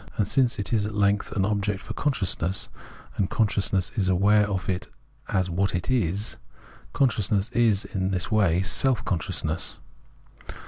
And since it is at length an object for consciousness, and conscious ness is aware of it as what it is, consciousness is in this way Self consciousness.